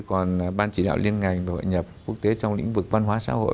còn ban chỉ đạo liên ngành về hội nhập quốc tế trong lĩnh vực văn hóa xã hội